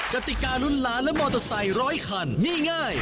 ติการุ้นล้านและมอเตอร์ไซค์ร้อยคันนี่ง่าย